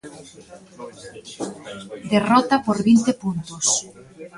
Derrota por vinte puntos.